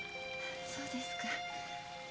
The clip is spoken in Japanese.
そうですか。